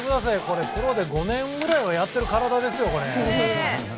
これ、プロで５年ぐらいはやってる体ですよ。